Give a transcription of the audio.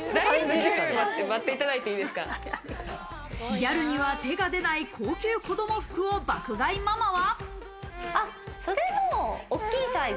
ギャルには手が出ない高級子供服を爆買いママは。